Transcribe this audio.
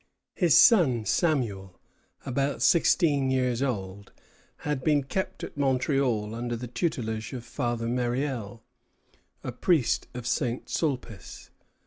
His son Samuel, about sixteen years old, had been kept at Montreal under the tutelage of Father Meriel, a priest of St. Sulpice.